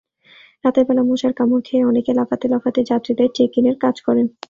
রাতের বেলা মশার কামড় খেয়ে অনেকে লাফাতে লাফাতে যাত্রীদের চেক-ইনের কাজ করেন।